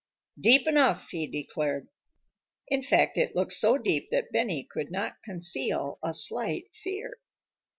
"Deep enough," he declared. In fact it looked so deep that Benny could not conceal a slight fear.